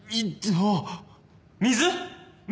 水⁉